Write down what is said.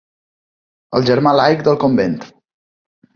El germà laic del convent.